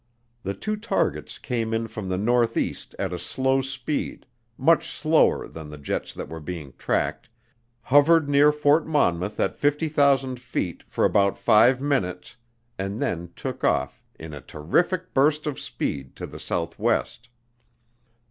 The two targets came in from the northeast at a slow speed, much slower than the jets that were being tracked, hovered near Fort Monmouth at 50,000 feet for about five minutes, and then took off in a "terrific burst of speed" to the southwest.